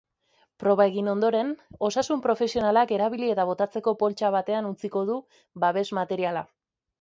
Proba egin ondoren, osasun-profesionalak erabili eta botatzeko poltsa batean utziko du babes-materiala.